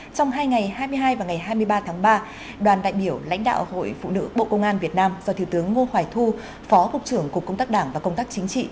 trong hai ngày hai mươi hai và ngày hai mươi ba tháng ba đoàn đại biểu lãnh đạo hội phụ nữ bộ công an việt nam do thiếu tướng ngô hoài thu phó cục trưởng cục công tác đảng và công tác chính trị